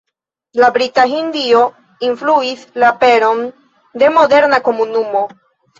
La Brita Hindio influis la aperon de moderna komunumo.